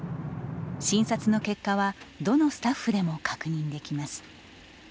診察の結果はどのスタッフでも確認できます。